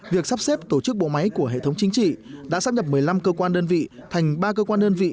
việc sắp xếp tổ chức bộ máy của hệ thống chính trị đã sắp nhập một mươi năm cơ quan đơn vị thành ba cơ quan đơn vị